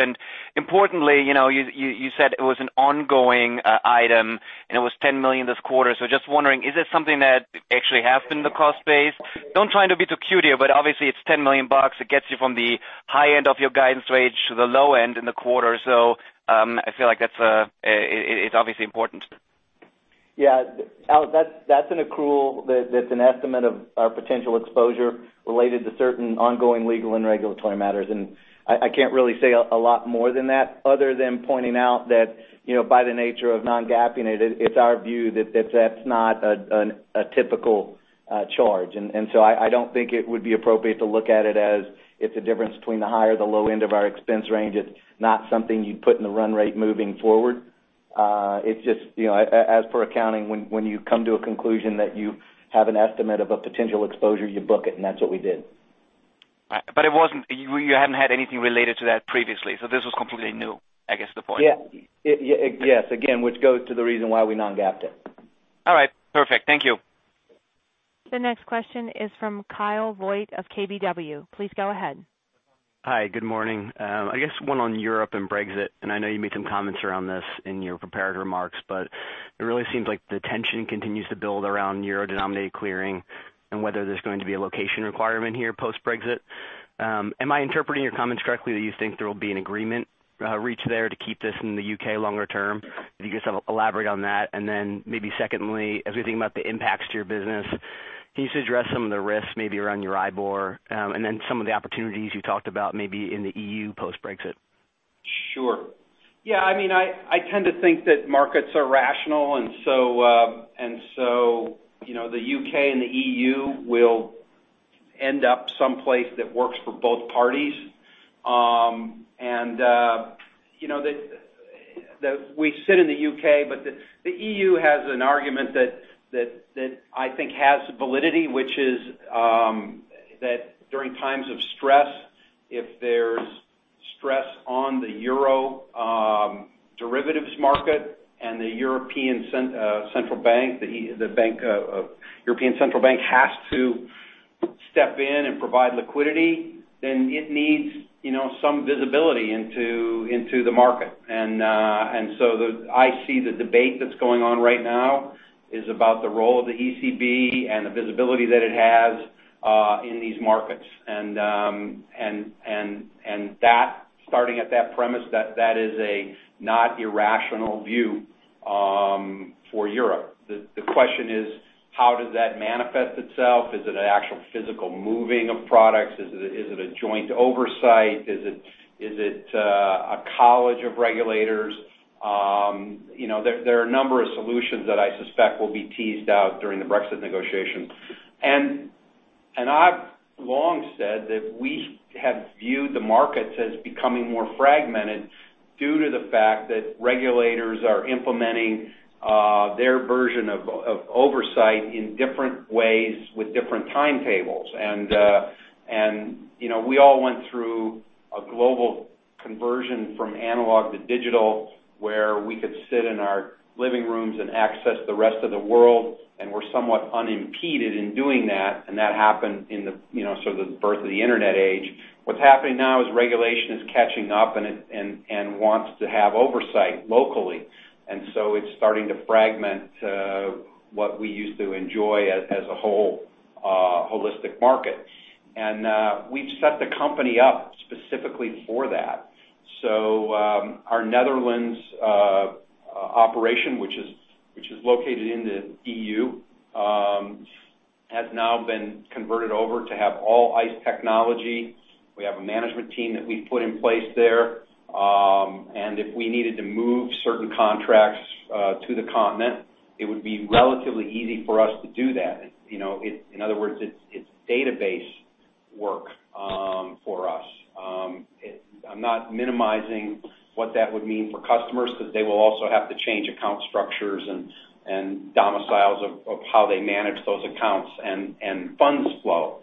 Importantly, you said it was an ongoing item, and it was $10 million this quarter. Just wondering, is this something that actually has been the cost base? Don't try to be too cute here, but obviously, it's $10 million. It gets you from the high end of your guidance range to the low end in the quarter. I feel like it's obviously important. Yeah, Alex, that's an accrual that's an estimate of our potential exposure related to certain ongoing legal and regulatory matters. I can't really say a lot more than that other than pointing out that, by the nature of non-GAAPing it's our view that that's not a typical charge. I don't think it would be appropriate to look at it as it's a difference between the high or the low end of our expense range. It's not something you'd put in the run rate moving forward. It's just, as per accounting, when you come to a conclusion that you have an estimate of a potential exposure, you book it, and that's what we did. You hadn't had anything related to that previously, this was completely new, I guess, the point. Yes. Again, which goes to the reason why we non-GAAPed it. All right. Perfect. Thank you. The next question is from Kyle Voigt of KBW. Please go ahead. Hi. Good morning. I guess one on Europe and Brexit, and I know you made some comments around this in your prepared remarks, but it really seems like the tension continues to build around euro-denominated clearing and whether there's going to be a location requirement here post-Brexit. Am I interpreting your comments correctly that you think there will be an agreement reached there to keep this in the U.K. longer term? If you could elaborate on that, and then maybe secondly, as we think about the impacts to your business, can you just address some of the risks maybe around your IBOR, and then some of the opportunities you talked about maybe in the E.U. post-Brexit? Sure. Yeah, I tend to think that markets are rational. The U.K. and the E.U. will end up someplace that works for both parties. We sit in the U.K., but the E.U. has an argument that I think has validity, which is that during times of stress, if there's stress on the euro derivatives market and the European Central Bank has to step in and provide liquidity, then it needs some visibility into the market. I see the debate that's going on right now is about the role of the ECB and the visibility that it has in these markets. Starting at that premise, that is a not irrational view for Europe. The question is: how does that manifest itself? Is it an actual physical moving of products? Is it a joint oversight? Is it a college of regulators? There are a number of solutions that I suspect will be teased out during the Brexit negotiation. I've long said that we have viewed the markets as becoming more fragmented due to the fact that regulators are implementing their version of oversight in different ways with different timetables. We all went through a global conversion from analog to digital, where we could sit in our living rooms and access the rest of the world, and we're somewhat unimpeded in doing that. That happened in the birth of the internet age. What's happening now is regulation is catching up, and wants to have oversight locally. It's starting to fragment what we used to enjoy as a whole holistic market. We've set the company up specifically for that. Our Netherlands operation, which is located in the E.U., has now been converted over to have all ICE technology. We have a management team that we've put in place there. If we needed to move certain contracts to the continent, it would be relatively easy for us to do that. In other words, it's database work for us. I'm not minimizing what that would mean for customers because they will also have to change account structures and domiciles of how they manage those accounts and funds flow.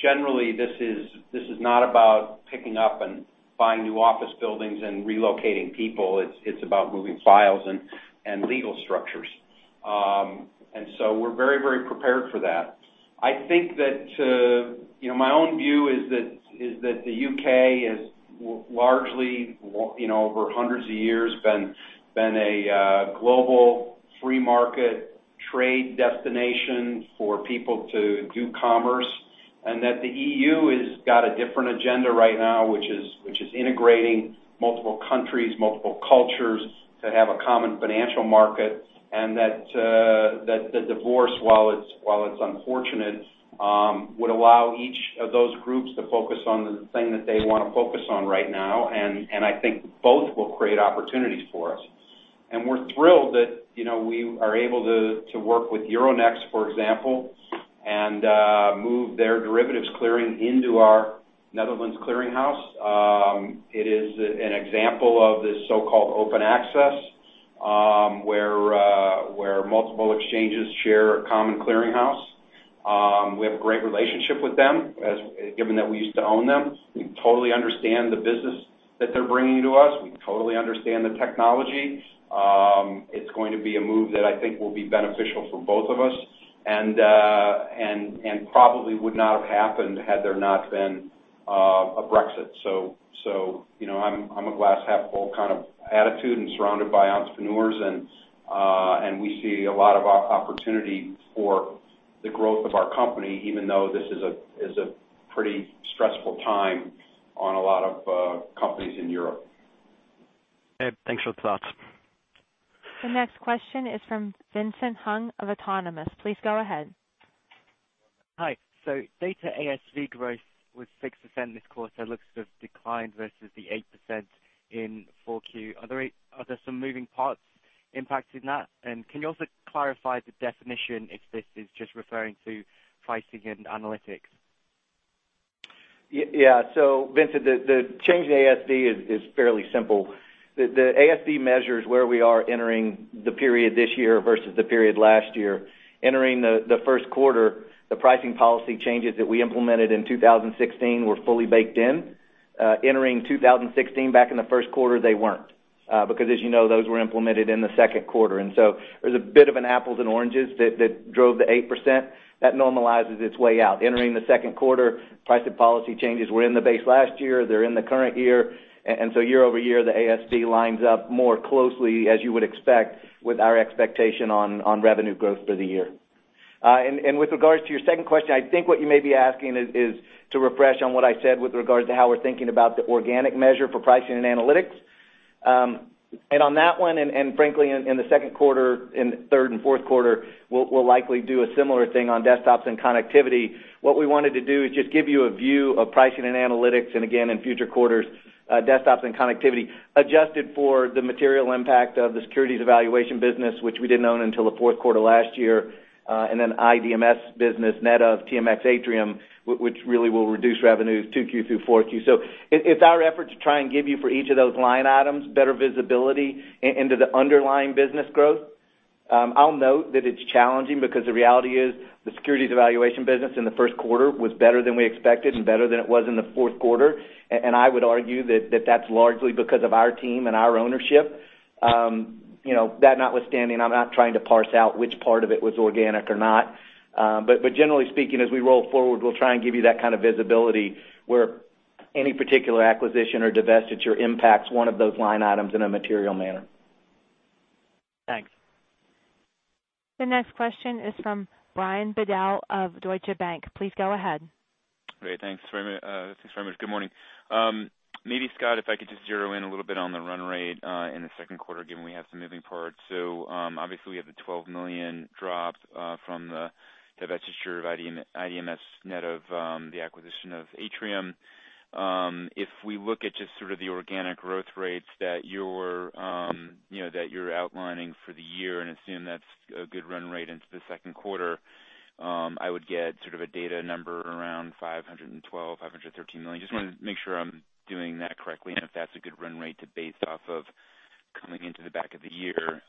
Generally, this is not about picking up and buying new office buildings and relocating people. It's about moving files and legal structures. We're very prepared for that. My own view is that the U.K. has largely, over hundreds of years, been a global free market trade destination for people to do commerce, and that the E.U. has got a different agenda right now, which is integrating multiple countries, multiple cultures that have a common financial market. That the divorce, while it's unfortunate, would allow each of those groups to focus on the thing that they want to focus on right now. I think both will create opportunities for us. We're thrilled that we are able to work with Euronext, for example, and move their derivatives clearing into our Netherlands clearinghouse. It is an example of this so-called open access, where multiple exchanges share a common clearinghouse. We have a great relationship with them, given that we used to own them. We totally understand the business that they're bringing to us. We totally understand the technology. It's going to be a move that I think will be beneficial for both of us and probably would not have happened had there not been a Brexit. I'm a glass-half-full kind of attitude and surrounded by entrepreneurs, we see a lot of opportunity for the growth of our company, even though this is a pretty stressful time on a lot of companies in Europe. Okay. Thanks for the thoughts. The next question is from Vincent Hung of Autonomous. Please go ahead. Hi. Data ASV growth was 6% this quarter. It looks to have declined versus the 8% in 4Q. Are there some moving parts impacting that? Can you also clarify the definition if this is just referring to pricing and analytics? Vincent, the change in ASV is fairly simple. The ASV measures where we are entering the period this year versus the period last year. Entering the first quarter, the pricing policy changes that we implemented in 2016 were fully baked in. Entering 2016, back in the first quarter, they weren't. As you know, those were implemented in the second quarter. There's a bit of an apples and oranges that drove the 8%. That normalizes its way out. Entering the second quarter, pricing policy changes were in the base last year, they're in the current year. Year-over-year, the ASV lines up more closely as you would expect with our expectation on revenue growth for the year. With regards to your second question, I think what you may be asking is to refresh on what I said with regards to how we're thinking about the organic measure for pricing and analytics. On that one, and frankly, in the second quarter, in the third and fourth quarter, we'll likely do a similar thing on desktops and connectivity. What we wanted to do is just give you a view of pricing and analytics, and again, in future quarters, desktops and connectivity, adjusted for the material impact of the securities evaluation business, which we didn't own until the fourth quarter last year. IDMS business net of TMX Atrium, which really will reduce revenues 2Q through 4Q. It's our effort to try and give you for each of those line items, better visibility into the underlying business growth. I'll note that it's challenging because the reality is, the securities evaluation business in the first quarter was better than we expected and better than it was in the fourth quarter. I would argue that that's largely because of our team and our ownership. That notwithstanding, I'm not trying to parse out which part of it was organic or not. Generally speaking, as we roll forward, we'll try and give you that kind of visibility where any particular acquisition or divestiture impacts one of those line items in a material manner. Thanks. The next question is from Brian Bedell of Deutsche Bank. Please go ahead. Great. Thanks very much. Good morning. Maybe, Scott, if I could just zero in a little bit on the run rate, in the second quarter, given we have some moving parts. Obviously we have the $12 million drop from the divestiture of IDMS net of the acquisition of Atrium. If we look at just sort of the organic growth rates that you're outlining for the year and assume that's a good run rate into the second quarter, I would get sort of a data number around $512 million, $513 million. Just wanted to make sure I'm doing that correctly and if that's a good run rate to base off of coming into the back of the year.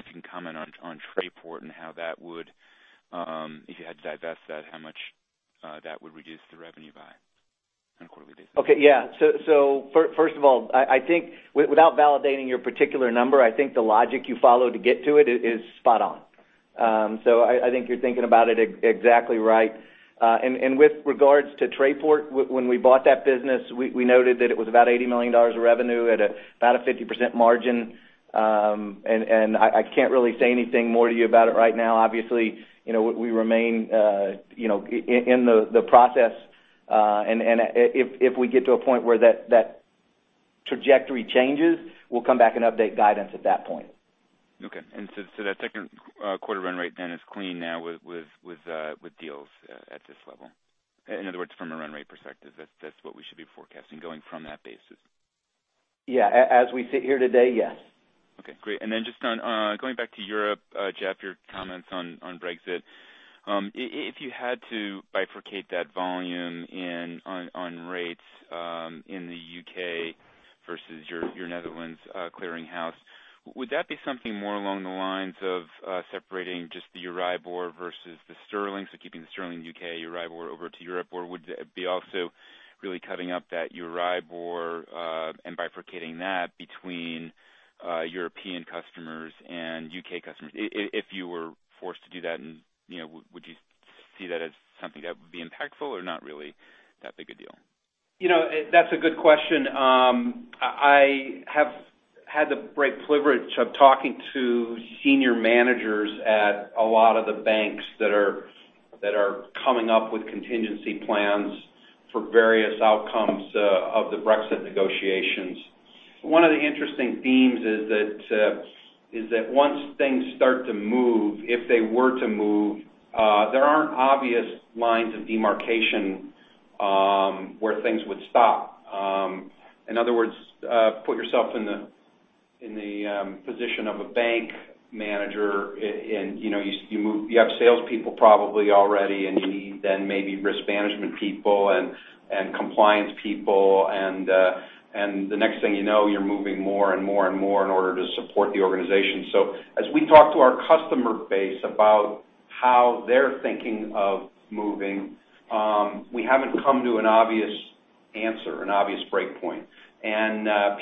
If you can comment on Trayport and if you had to divest that, how much that would reduce the revenue by on a quarterly basis. Okay. Yeah. First of all, I think without validating your particular number, I think the logic you follow to get to it is spot on. I think you're thinking about it exactly right. With regards to Trayport, when we bought that business, we noted that it was about $80 million of revenue at about a 50% margin. I can't really say anything more to you about it right now. Obviously, we remain in the process. If we get to a point where that trajectory changes, we'll come back and update guidance at that point. Okay. That second quarter run rate then is clean now with deals at this level. In other words, from a run rate perspective, that's what we should be forecasting going from that basis. Yeah. As we sit here today, yes. Okay, great. Then just going back to Europe, Jeff, your comments on Brexit. If you had to bifurcate that volume on rates in the U.K. versus your Netherlands clearinghouse, would that be something more along the lines of separating just the EURIBOR versus the Sterling? Keeping the Sterling U.K., EURIBOR over to Europe? Would it be also really cutting up that EURIBOR and bifurcating that between European customers and U.K. customers? If you were forced to do that, would you see that as something that would be impactful or not really that big a deal? That's a good question. I have had the great privilege of talking to senior managers at a lot of the banks that are coming up with contingency plans for various outcomes of the Brexit negotiations. One of the interesting themes is that once things start to move, if they were to move, there aren't obvious lines of demarcation where things would stop. In other words, put yourself in the position of a bank manager, and you have salespeople probably already, and you need then maybe risk management people and compliance people and the next thing you know, you're moving more and more and more in order to support the organization. As we talk to our customer base about how they're thinking of moving, we haven't come to an obvious answer, an obvious breakpoint.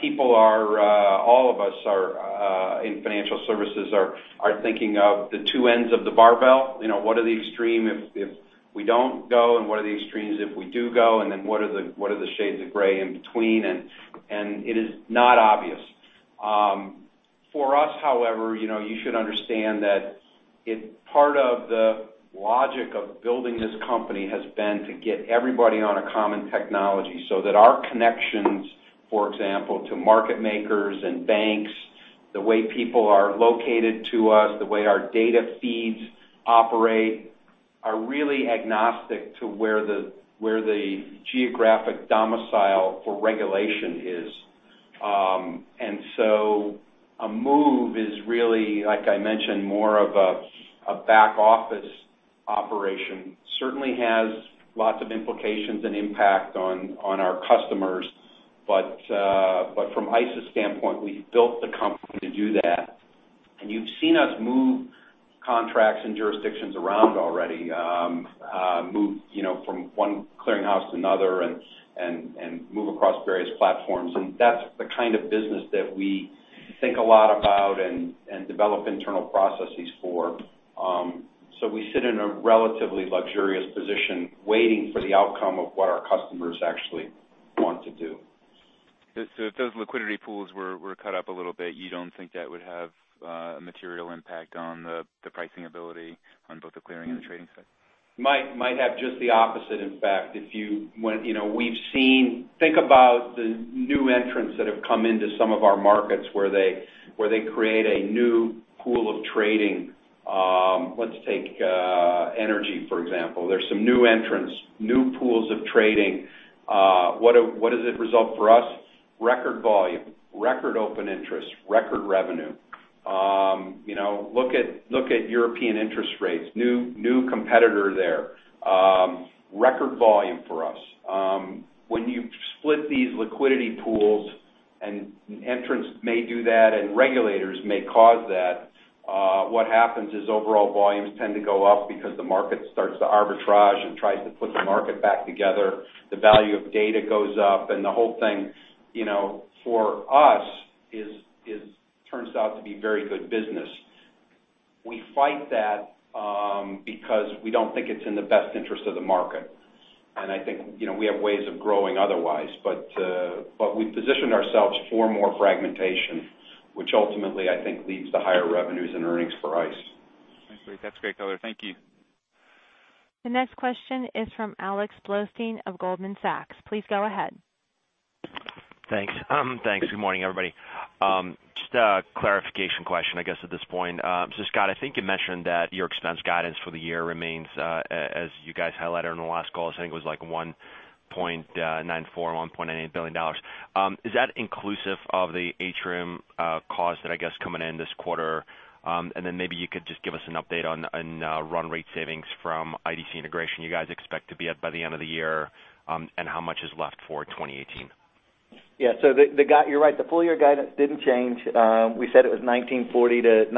People are, all of us in financial services are thinking of the two ends of the barbell. What are the extreme if we don't go, and what are the extremes if we do go? Then what are the shades of gray in between? It is not obvious. For us, however, you should understand that part of the logic of building this company has been to get everybody on a common technology so that our connections, for example, to market makers and banks, the way people are located to us, the way our data feeds operate, are really agnostic to where the geographic domicile for regulation is. A move is really, like I mentioned, more of a back-office operation. Certainly has lots of implications and impact on our customers. From ICE's standpoint, we've built the company to do that. You've seen us move contracts and jurisdictions around already, move from one clearinghouse to another and move across various platforms. That's the kind of business that we think a lot about and develop internal processes for. We sit in a relatively luxurious position waiting for the outcome of what our customers actually want to do. If those liquidity pools were cut up a little bit, you don't think that would have a material impact on the pricing ability on both the clearing and the trading side? Might have just the opposite, in fact. Think about the new entrants that have come into some of our markets where they create a new pool of trading. Let's take energy, for example. There's some new entrants, new pools of trading. What is the result for us? Record volume, record open interest, record revenue. Look at European interest rates, new competitor there. Record volume for us. When you split these liquidity pools, and entrants may do that and regulators may cause that, what happens is overall volumes tend to go up because the market starts to arbitrage and tries to put the market back together. The value of data goes up and the whole thing, for us, turns out to be very good business. We fight that because we don't think it's in the best interest of the market. I think we have ways of growing otherwise. We've positioned ourselves for more fragmentation, which ultimately, I think, leads to higher revenues and earnings for ICE. Thanks, Dave. That's great color. Thank you. The next question is from Alex Blostein of Goldman Sachs. Please go ahead. Thanks. Good morning, everybody. Just a clarification question, I guess, at this point. Scott, I think you mentioned that your expense guidance for the year remains as you guys highlighted in the last call. I think it was like $1.94 billion or $1.98 billion. Is that inclusive of the Atrium cost that I guess coming in this quarter? Maybe you could just give us an update on run rate savings from IDC integration you guys expect to be at by the end of the year, and how much is left for 2018. You're right. The full year guidance didn't change. We said it was $1,940 million to $1,960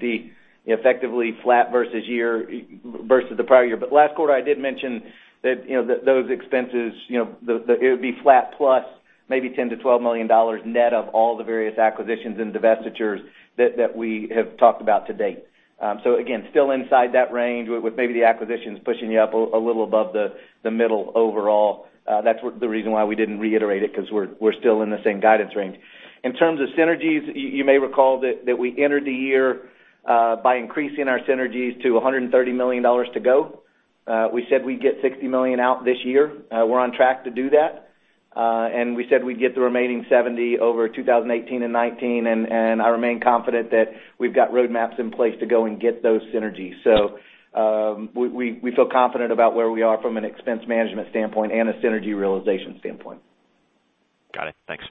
million, effectively flat versus the prior year. Last quarter, I did mention that those expenses, it would be flat plus maybe $10 million to $12 million net of all the various acquisitions and divestitures that we have talked about to date. Again, still inside that range with maybe the acquisitions pushing you up a little above the middle overall. That's the reason why we didn't reiterate it because we're still in the same guidance range. In terms of synergies, you may recall that we entered the year by increasing our synergies to $130 million to go. We said we'd get $60 million out this year. We're on track to do that. We said we'd get the remaining $70 million over 2018 and 2019. I remain confident that we've got roadmaps in place to go and get those synergies. We feel confident about where we are from an expense management standpoint and a synergy realization standpoint. Got it. Thanks.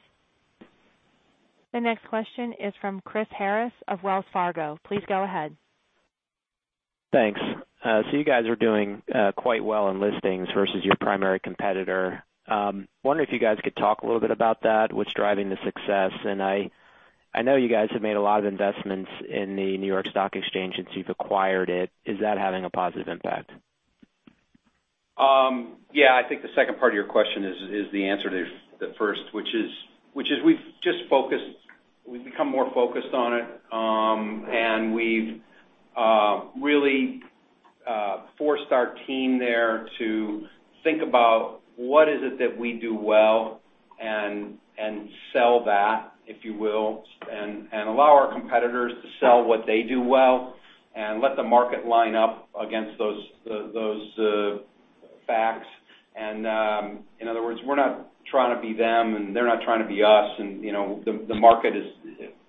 The next question is from Chris Harris of Wells Fargo. Please go ahead. Thanks. You guys are doing quite well in listings versus your primary competitor. Wondering if you guys could talk a little bit about that, what's driving the success. I know you guys have made a lot of investments in the New York Stock Exchange since you've acquired it. Is that having a positive impact? Yeah. I think the second part of your question is the answer to the first, which is we've become more focused on it. We've really forced our team there to think about what is it that we do well and sell that, if you will, and allow our competitors to sell what they do well and let the market line up against those facts. In other words, we're not trying to be them, and they're not trying to be us, and the market is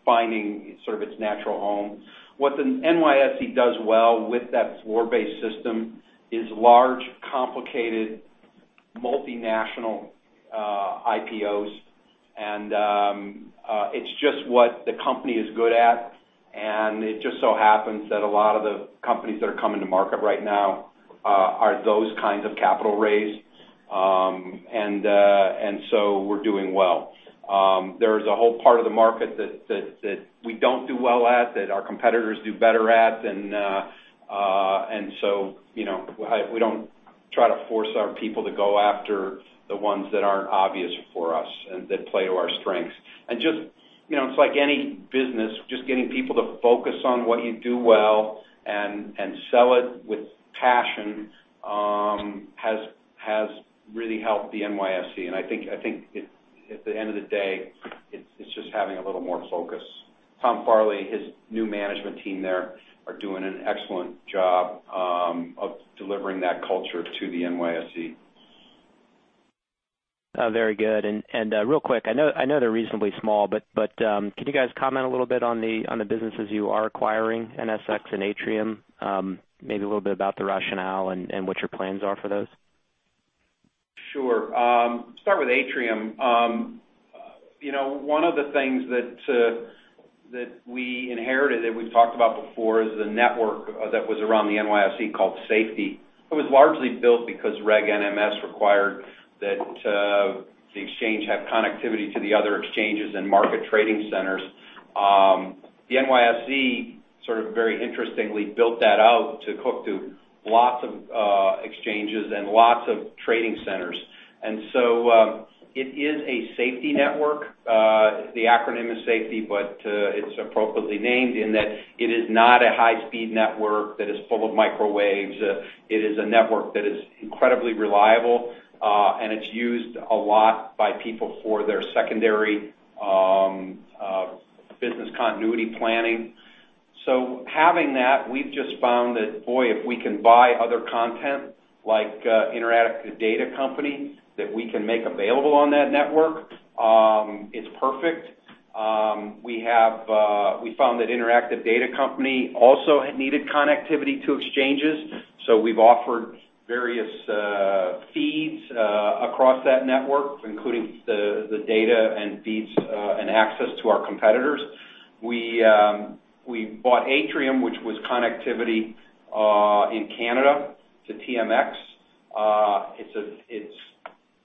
finding its natural home. What the NYSE does well with that floor-based system is large, complicated, multinational IPOs. It's just what the company is good at, and it just so happens that a lot of the companies that are coming to market right now are those kinds of capital raise. We're doing well. There's a whole part of the market that we don't do well at, that our competitors do better at, we don't try to force our people to go after the ones that aren't obvious for us and that play to our strengths. It's like any business, just getting people to focus on what you do well and sell it with passion has really helped the NYSE, and I think at the end of the day, it's just having a little more focus. Tom Farley, his new management team there are doing an excellent job of delivering that culture to the NYSE. Very good. Real quick, I know they're reasonably small, but can you guys comment a little bit on the businesses you are acquiring, NSX and Atrium? Maybe a little bit about the rationale and what your plans are for those. Sure. Start with Atrium. One of the things that we inherited that we've talked about before is the network that was around the NYSE called SFTI. It was largely built because Reg NMS required that the exchange have connectivity to the other exchanges and market trading centers. The NYSE sort of very interestingly built that out to hook to lots of exchanges and lots of trading centers. It is a SFTI network. The acronym is SFTI, but it's appropriately named in that it is not a high-speed network that is full of microwaves. It is a network that is incredibly reliable, and it's used a lot by people for their secondary business continuity planning. Having that, we've just found that, boy, if we can buy other content like Interactive Data Corporation, that we can make available on that network, it's perfect. We found that Interactive Data Corporation also needed connectivity to exchanges, we've offered various feeds across that network, including the data and feeds, and access to our competitors. We bought Atrium, which was connectivity in Canada to TMX.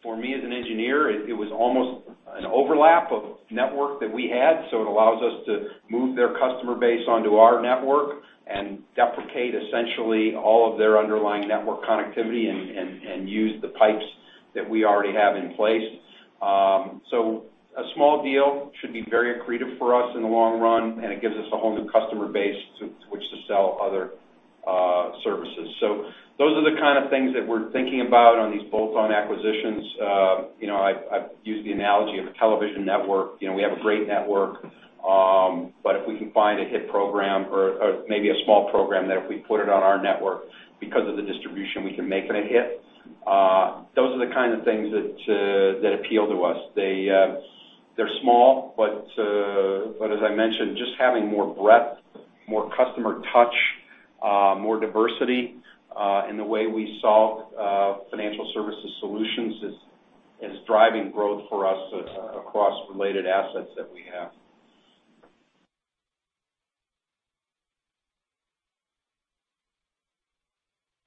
For me, as an engineer, it was almost an overlap of network that we had, it allows us to move their customer base onto our network and deprecate essentially all of their underlying network connectivity and use the pipes that we already have in place. A small deal should be very accretive for us in the long run, and it gives us a whole new customer base to which to sell other services. Those are the kind of things that we're thinking about on these bolt-on acquisitions. I've used the analogy of a television network. We have a great network, but if we can find a hit program or maybe a small program that if we put it on our network because of the distribution, we can make it a hit. Those are the kind of things that appeal to us. They're small, but as I mentioned, just having more breadth, more customer touch, more diversity in the way we solve financial services solutions is driving growth for us across related assets that we have.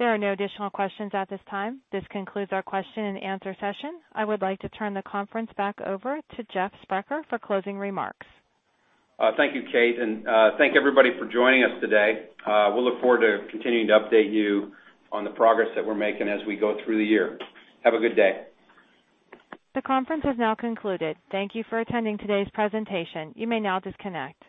There are no additional questions at this time. This concludes our question and answer session. I would like to turn the conference back over to Jeff Sprecher for closing remarks. Thank you, Kate, and thank everybody for joining us today. We'll look forward to continuing to update you on the progress that we're making as we go through the year. Have a good day. The conference has now concluded. Thank you for attending today's presentation. You may now disconnect.